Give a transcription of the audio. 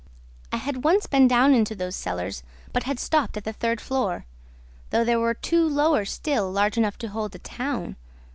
I had once been down into those cellars, but had stopped at the third floor, though there were two lower still, large enough to hold a town.